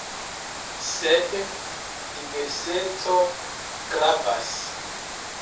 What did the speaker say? Sed diverseco gravas.